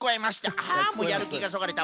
ああもうやるきがそがれた。